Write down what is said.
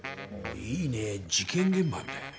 いいね事件現場みたい。